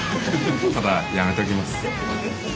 ただやめときます。